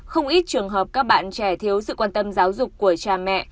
không ít trường hợp các bạn trẻ thiếu sự quan tâm giáo dục của cha mẹ